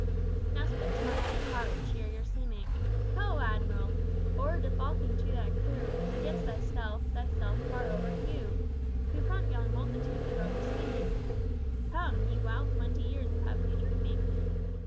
"Now speaks mine other heart with cheerier seeming: Ho, Admiral! o'er defalking to thy crew Against thyself, thyself far overfew To front yon multitudes of rebel scheming? Come, ye wild twenty years of heavenly dreaming!